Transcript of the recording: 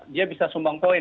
dia bisa menyumbang poin